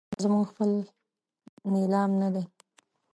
دا زموږ خپل نیلام نه دی.